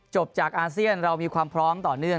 จบจากอาเซียนเรามีความพร้อมต่อเนื่อง